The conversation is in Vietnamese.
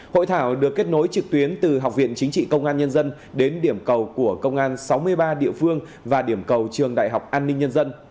hội thảo được kết nối trực tuyến từ học viện chính trị công an nhân dân đến điểm cầu của công an sáu mươi ba địa phương và điểm cầu trường đại học an ninh nhân dân